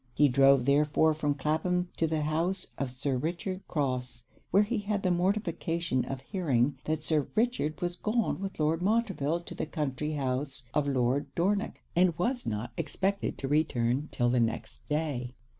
He drove therefore from Clapham to the house of Sir Richard Crofts, where he had the mortification of hearing that Sir Richard was gone with Lord Montreville to the country house of Lord Dornock, and was not expected to return 'till the next day.